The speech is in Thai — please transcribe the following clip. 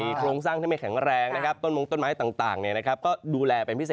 โครงสร้างที่ไม่แข็งแรงนะครับต้นมงต้นไม้ต่างก็ดูแลเป็นพิเศษ